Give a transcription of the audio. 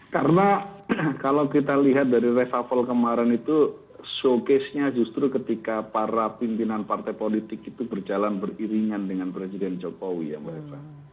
karena kalau kita lihat dari reshuffle kemarin itu showcase nya justru ketika para pimpinan partai politik itu berjalan beriringan dengan presiden jokowi ya mbak eva